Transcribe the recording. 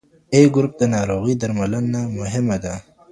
A ګروپ د ناروغۍ درملنه مهمه ده.